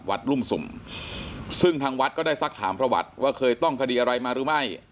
รุ่งสุ่มซึ่งทางวัดก็ได้สักถามประวัติว่าเคยต้องคดีอะไรมาหรือไม่